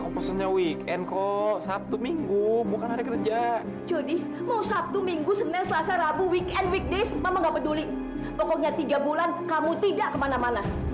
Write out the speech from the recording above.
pokoknya tiga bulan kamu tidak kemana mana